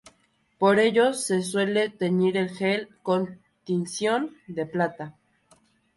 Por ello, se suele teñir el gel con tinción de plata.